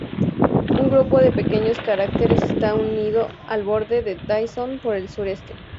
Un grupo de pequeños cráteres está unido al borde de Dyson por el sureste.